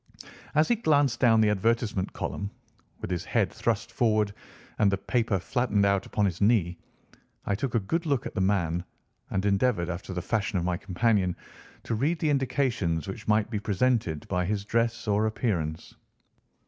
As he glanced down the advertisement column, with his head thrust forward and the paper flattened out upon his knee, I took a good look at the man and endeavoured, after the fashion of my companion, to read the indications which might be presented by his dress or appearance.